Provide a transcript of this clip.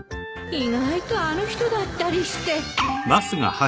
意外とあの人だったりして。